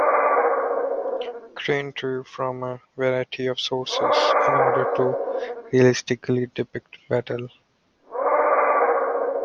Crane drew from a variety of sources in order to realistically depict battle.